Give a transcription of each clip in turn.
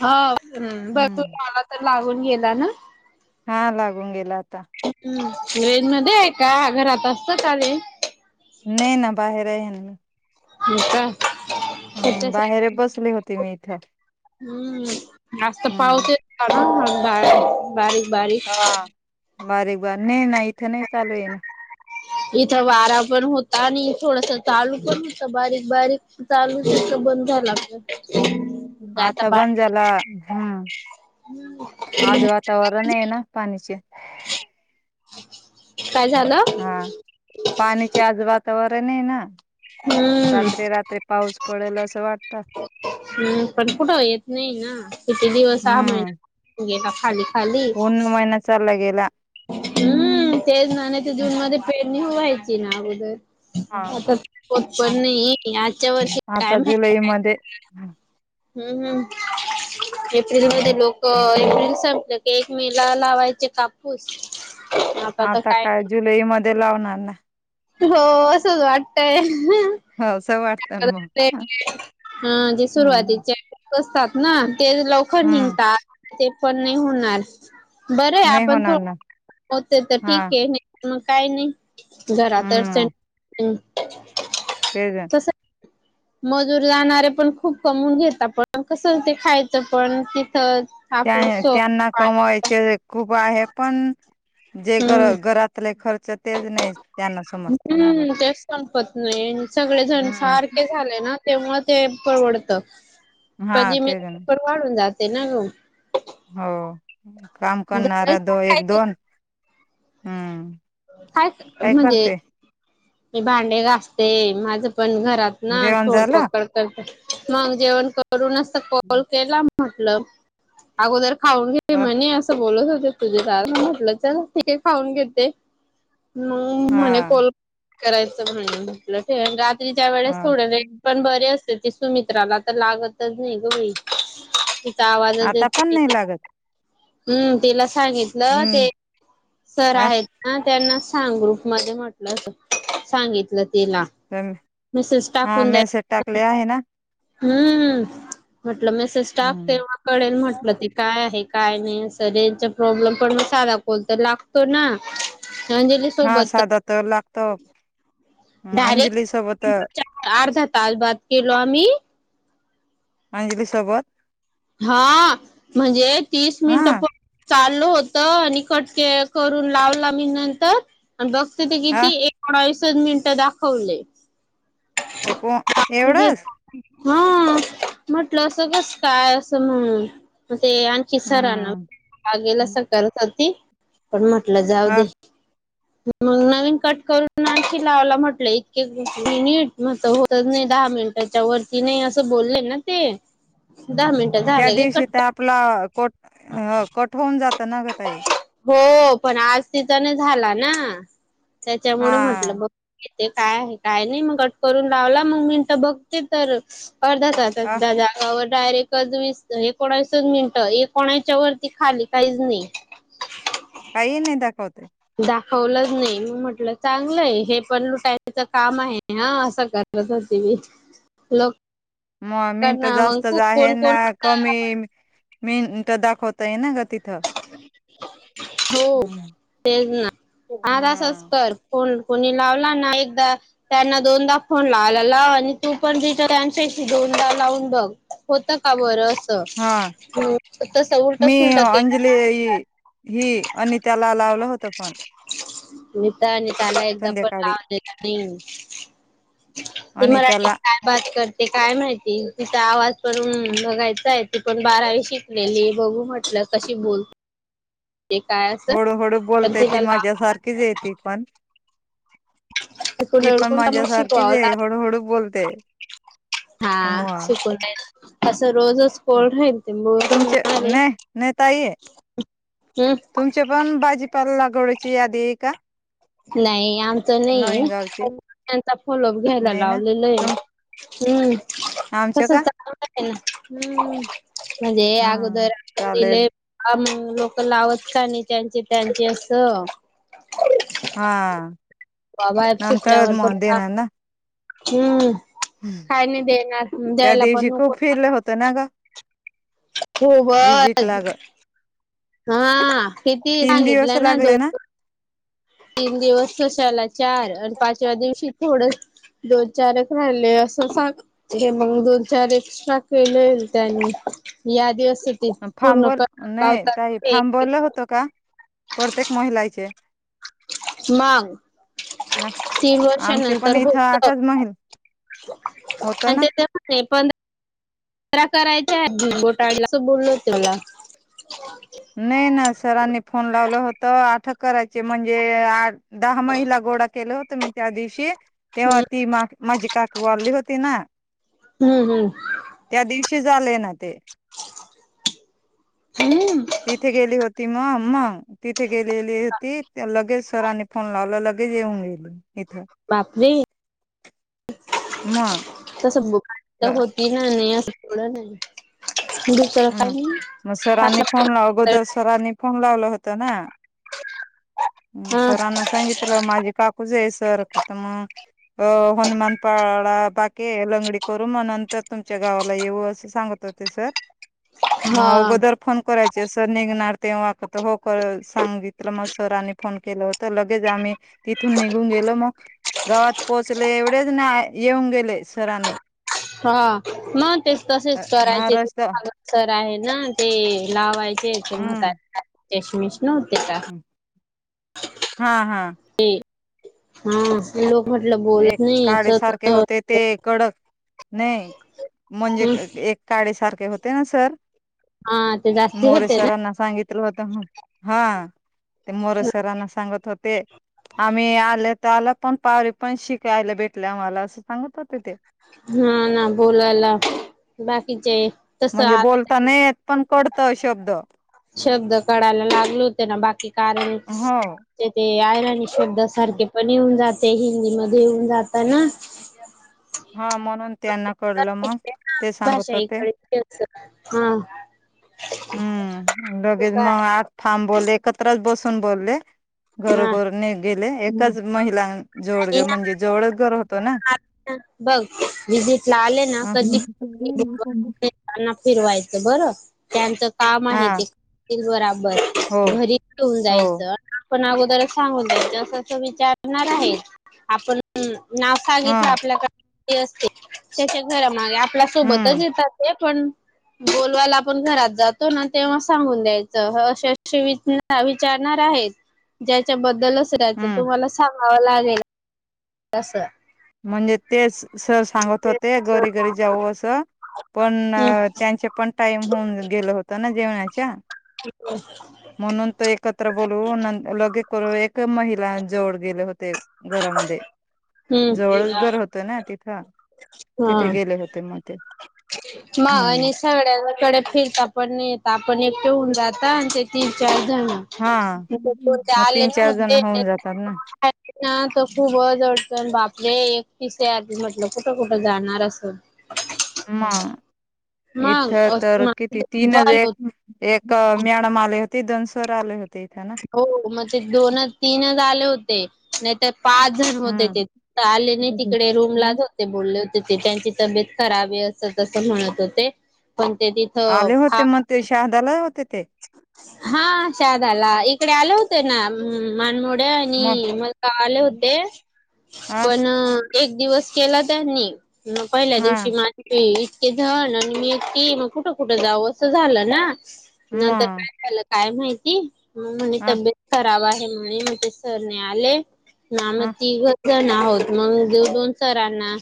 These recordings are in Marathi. हा् बस तू हम्म आला तर लागून गेला ना हा लागून गेला आता ट्रेन मध्ये आहे का घरात असत आले नाही ना बाहेर आहे म का हम् त्याच्यासाठी बाहेर बसली होती मी इथं हम्म आस्त हम्म पाऊत बारीक बारीश हा बारीक बार नाही ना इथं नाही चालू आहे ना इथं वारा पण होता आणि थोडस चालू पण होत बारीक बारीक चालू बंदयलागत आता बंदजला हम आज वातावरण आहे ना पाणीचे ह हा पाणीचे आज वातावरण आहे ना हम्म राते रात्र्री पाऊस पडेल असं वाटत हम्म पण कुठं येत नाही ना किती दिवस हहा महिना घेला खाली खाली उऊन महिना चाल गेला हम्म तेच ना नाही ते जून मध्ये पेरणी व्हायची ना अगोदर हा आता होत आ- पण नाही आजच्या वर्ष आता टायम जुलै आहे मध्ये हम्म हम्म एप्रिल मध्ये लोक एप्रिल संपलं की एक मेला लावायचे कापूस आता काय जुलै मध्ये लावणार नाही हो असंच वाटतय ह असं वाटतं ना मग हा जे सुरुवाती हम्म बसतात ना ते लवकर हम्म निघतात ते पण नाही होणार बरं नाही आपण थो होणार ना होते तर ठीक हा आहे मग काय नाही घरातच तेज आहे मजूर जाणारे पण खूप कमवून घेत पण कस ते खायचं पण त त्यांना कमायचे खूप बाहे पण जेर हम्म घरातले खर्च तेच नाही त्यांना समजत ना ग हम्म तेच संपत नाही सगळेजण हम्म सारखे झाले ना ते मु ते परवडत हा पणजी मी तेच ना पर वाढून जाते ना गो हो काम काय करणारा दो एक दोन हम्म काय म्हणजे मी भांडे गासते माझ पण घरात ना जेवण झालं सोडपकड करत मग जेवण करूनच कॉल केला म्हटल अगोदर खाऊन घे अ म्हणे असं बोलत होत [unintelligible] खाऊन घेते न म्हणे हा कॉल करायचं म्हणण म्हटलं ज्या वेळेस हा सोडले पण बरे असते त तू मित्राला तर लागतच नाही ग बाई तिचा आवाजच आता पण नाही येत लागत [inaudible] हम्म तिला सांगितलं हम्म ते सर अ आहेत त्यांना सांग ग्रुप मध्ये म्हटलं अस सांगितलं तिला मिसेस हा टाकून मेसेज द्याय टाकले आहे ना हम्म म्हटलं मेसेज टाकते हम्म तेव्हा कळेल म्हटलं ते काय आहे काय नाही अस रेंज च प्रॉब्लेम पण मग साधा कॉल तर लागतो ना अंजली हा सोबत साधा तर लागतो हं.. अंजली सोबत डायरेक्ट अर्धा तास बात केलो आम्ही अंजली सोबत हा.. म्हणजे तीस मिनिटं हा प चालं होतं आणि कट के-करून लावला मी नंतर आणि बघते ते हा किती एकोणवीस च मिनिटं दाखवले हे को घेत एवढंच हा म्हटलं असं कस काय असं म्हण ते आणखी हम्म सरांना गेल अस हम्म. करत होती पण म्हटलं जाऊ हा दे म नवीन कट करून आणखी लावला [unintelligible] दहा मिनिट पण ती नाही असं बोलले ना ते दहा मिनटं त्या झाले गे दिवशी कट तर कर. आपला कोठ अं.. कट होवून जातं ना गं ताई हो पण आज तिथंने झाला ना हा त्याच्यामुळे म्हटलं बघ ते काय आहे काय नाही मग कट करून लावला मग मिनटं बघते तर अर्धा [unintelligible] अ डायरेक्ट [inaudible] मिनिटं एकोणतीस वरती खाली काहीच नाही काही नाही दाखवतय. दाखवलंच नाही मग म्हटलं चांगलंय हे पण लुटायचंच काम आहे हा अस कर, त लो मग मिनटं जास्तच आहे ना कमी आपण मिनटं दाखवतय ना ग तिथ हो तेच ना आ असच हा कर कोण कोणी लावला ना एकदा त्यांना दोनदा फोन लावयला-लाव आणि तू पण [inaudible] लावून बघ होतं का बरं हा असं तसं मी उलटंसुलटं अंजली ही आणि त्याला लावलं होत पण, नता न त्याला एकदा पण संध्याकाळी लाव देत नाही त मराठीत अनिताला कायात करते ते काय माहिती तिचा आवाज पण बघायचा आहे ती पण बारावी शिकलेली बघू म्हटलं कशी बोल हळूहळू पण बोलते ती तिला माझ्या लाव सारखीच येती पण तिकडून ती पण अडकून का मग माझ्या सारखीच शिकवावं लाग आहे हळूहळू बोलते. हा मग सुक तुमचे होणार आहे. न नताई आहे. हम्म तुमच्या पण भाजीपाला लागवडची यादीय का? नाही आमचं नाही नवीन गावची त्यांचा [unintelligible] नाही ना लावलेलं आहे. तुम हम्म आमच्या तस का चालू आहे ना हम्म म्हणजे हा अगोदर म्हणजे चालेल लय लोकं लावत का नाहीत त्यांचे त्यांचे असं हा बाबा नंतर सुटल्यावर म पण दे ना ना हम्म खाय नाही दे ना त्या द्यायला दिवशी पण नको. खूप फिरलं होतं ना ग खूबच विजिट ला ग हा किती तीन दिवस सांगितलं ना लागले दोन तीन दिवस तशाला चार आणि पाचव्या दिवशी थोड दोन चार एक राहिले असं सांग हे मग दोन चार एक्स्ट्रा केलेल त्यानी या दिवस फांब नाही ताई ते फांबलं होत क? प्रत्येक महिलाचे मग ना तीन आमचे वर्षांानंतर पण इथं होत. आठच महिल होत ना आणि ते पण प जरा करायच्या बोटाळ असं बोलल तला नाही ना सरांनी फोन लावलं होत आठक करायचे म्हणजे दहा महिला ग डा केलं होत मी त्या दिवशी तेव्हा हम्म ती मा माझी काक वारली होती ना, हम्म हम्म त्या दिवशी झाले ना ते. हम्म तिथे गेली होती मग मग तिथे गेलेली होती लगेच, सरांनी फोन लावला लगेच येऊन गेल. बापरी म ं बु तर होती ना नाही असं थोडं नाही. दुसरं हम्म काही मग नाही सरांनी फोन ला आपलं अगोदर सरांनी फोन लावलं होत ना, ह हा सरांना सांगितलं माझे काकूज आहे सरता मग, अ हनुमान पाळा बाकी लंगडी करू मग नंतर तुमच्या गावाला येऊ असं सांगत होते सर. मग हा अगोदर फोन करायचे असर निघणार तेव्हात हो कर सांगितलं मग सरांनी फोन केलं होत लगेच आम्ही तिथून निघून गेलो मग, गावात पोहोचले एवढेच ना येऊन गेले सरांनी हा मग ते तसेच हा करायचे रस्ता तेगसर आहे ना ते लावायचे मत हम्म शश मिस न्यका हा हा ते हा लोक म्हटलं बोलत एक नाही काळे असं सारखे तसं होते ते कडक नाही म्हणजे हम्म एक काळे सारखे होते ना सर हा ते जास्ती होते ना मोरेसरांना सांगित हा ते मोरसरांना सांगत होत ते आम्ही आले तर आला पण पा पण शिकायला भेटलं आम्हाला असं सांगत होते ते हा ना बोलायला बाकीचे तसं म्हणजे आलं बोलता नाहीेत पण कडत शब्द शब्द कढायला लागल होते ना बाकी कारण हो. ते ते आय शब्द सारखे पण येऊन जाते हिंदी मध्ये येऊन जात ना हा म्हणून त्यांना कळलं मग ते भाषा सांगत होते इकडे हा हम्म तू लगेच मग काय आत फांब बोलले एकत्रच बसून बोलले हा घरोघरने गेले एकाच महिला आणि जोवळ ना म्हणजे जेवळच घर होत बघ विजिट ला आले ना कधी त्यांना फिरवायचं बरं त्यांचं काम आहे हा ते करतील बराबर हो घरी ठेऊन हो जायचं आप हा सांगितले आपल्याकडे असते त्याच्या घरामागे आपल्या सोबतच हम्म येतात ते पण बोलवायला आपण घरात जातो ना तेव्हा सांगून द्यायचं अस विच विचारणार आहे. ज्याच्याबद्दल रहायच हम्म. तुम्हाला सांगावं लागेल तस म्हणजे तेच सर सांगत होते घरी घरी जाऊ असं पण हम्म त्यांचे पण टाईम होऊन गेल होत ना जेवणा हो म्हणून तो एकत्र बोलू, लगे करू, एक महिला जवळ गेले होते. घरामध्ये, हम्म जवळच घर होत ना तिथं. तिथे हा गेले होते म ते मग हम्म आणि सगळ्यांकडे फिरता पण येत आपण एक ठेऊन जाता आणि ते तीन चार हा कोणते मग आले तीन चार ना जण ते होऊन जातात ना ह तर खूपच अडचण, बापरे एकटीसे आते म्हटलं कुठं कुठं जाणार असं म मग इथं तर किती तीनच एक, एक मॅडम आल्या तिथून सर आले होते इथे ना हो मग ते दोन तीनच आले होते, नाही तर पाच जण होते. हम्म ते आले नाही तिकडे रूमलाच होते बोलले होते. त्यांची तब्येत खराब आहे असं तसं म्हणत होते पण ते तिथं आले होते मग फाक् ते शहादाला होते ते हा शहाद्याला इकडे आल होत ना मानमोट म आणि मग आले होते आ पण एक दिवस केला त्यांनी मग पहिल्या हा दिवशी तिथं मी ती, नंतर कुठे कुठे जावं असं झालं ना म आ नंतर काय झालं काय माहिती म म्हणे आ तब्येत खराब आहे म्हणे म ते सर नाही आले ना मग हा तिघच जण आहोत मग दोन सरांना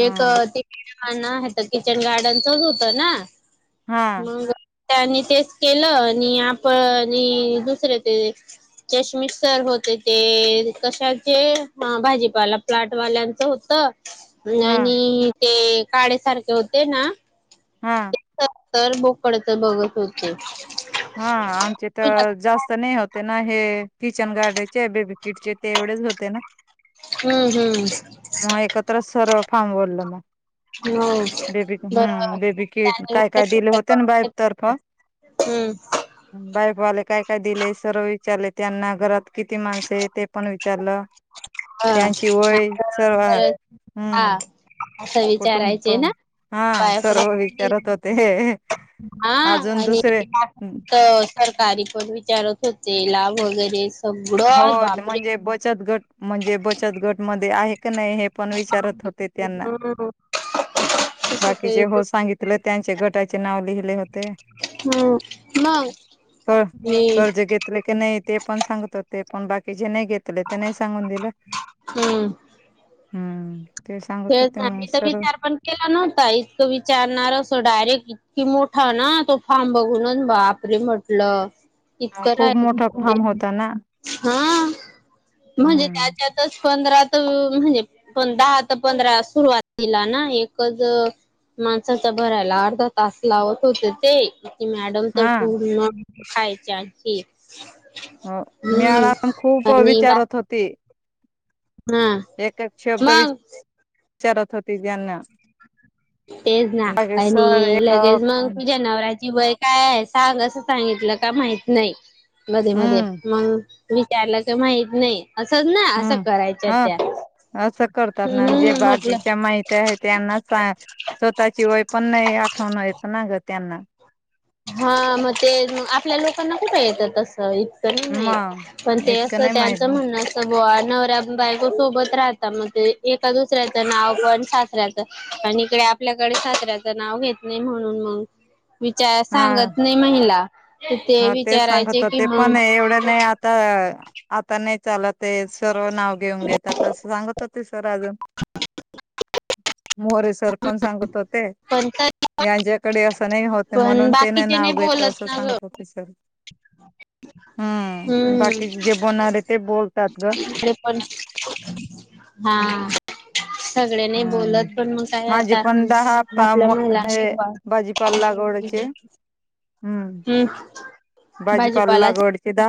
एक तिकीट माणं होत तर किचन गार्डनचच होतं ना हा त्यानी तेच केलं आणि आपण दुसरे ते चष्मिस्टर हो हो ते कशाचे भाजीपाला प्लाटवाल्यांचं होत. हा आणि ते काळेसारखे होते ना हा तर बोकडच बघत होते हा आमचे तर जास्त नाही होतहे. हे किचन गार्डनचे बेबीकिटचे ते एवढेच होते ना हम्म हम्म मग एकत्रच सर्व फॉर्म भरला मग हो बेबी बरोबर. हम्म बेबी किट त्यानी काय उलटे काय दिले सुलटे होते ना बाईबतर्फ करून हम्म बाय बावाले काय काय दिले सर्व विचारले त्यांना घरात किती माणस आहे ते पण विचारलं त्यांची हा वय सर्व हा, हा हम्म असं कुटुंब विचारायचे ना प्रमुख हा बाहेर फरक सर्व विचारत कितीला, होते हा अजून आणि दुसरे तर सरकारी पण विचारत होते, लाभ हो हो म्हणजे बचत गट म्हणजे बचत गट मध्ये आहे क नाही हे पण विचारत होते त्यांना हम्म तसंच आहे बाकीचे ते. हो सांगितले त्यांचे गटाचे नाव लिहिले होते. हम्म मग क मी कर्ज घेतले की नाही ते पण सांगत होते. पण बाकी जे नाही घेतले ते नाही सांगून दिलं, हम्म. ते सांगत होते मग खेळसानवीतर सर्व विचार पण केला नव्हता इतकं विचारणार असो डायरेक्ट कि मोठा ना तो फार्म बघून बापरे म्हटल. इतक खूप आहे. मोठा फॉर्म होता ना हा. म्हणजे हम्म त्याच्यातच पंधरात म्हणजे प धात पंधरा सुरुवातिला ना एकच माणसा तर भरायला अर्धा तास लावत होते ते मॅडम तर हा पूर्ण खायच्या खीर हो मेळा तर खूप आणि बा विचारत होती हा मग चरत होती जन तेच ना आणि एक लगेच मग हम्म तुझ्या नवरा्या ति वय काय आहे सांग असं सांगितलं का माहित नाही मध्ये मध्ये मग विचारलं तर माहित नाही असंच ना असं हम्म करायच्या हा त्या असं करतात ना जे हम्म म्हटलं बागीच्या माहती्या आहेत त्यांना सांग स्वतःची वय पण नाही आठवण येत ना ग त्यांना हा मग ते आपल्या लोकांना कुठं येततस इतकं ही नाही मग पण ते इतकं असं नाही माहित त्यांचं ना. म्हणणं असत बाबा नवऱ्या बायको सोबत राहत एका दुसऱ्याच नाव पण सासऱ्याच पण इकडे आपल्याकडे सासऱ्याचं नाव घेत नाही म्हणून मग विचार हा सांगत नाही महिला तर ते हा तेच सांगत विचारायचे कि होते मग पण एवढं नाही आता आता नाही चालत ते सर्व नाव घेऊन घेतात असं सांगत होती ते सर अजून मोरे सर पण सांगत होते पण तरी यांच्याकडे असं नाही होत पण म्हणून ते नाही बाकीचे नाव घेत बोलत असं ना ग सांगतो ति सरइ [inaudible] हम्म बाकी जे बलणारे आहे ते बोलतात ग डे पण हम्म हा सगळ्यांनी बोलत हम्म पण मग काय माझे आता पण दहा आपल्या महिला हे शिकवा भाजीपाला लागवडचे हम्म भाजीपाला भाजीपालाच लागवडचे दा